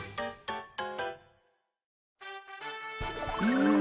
うん。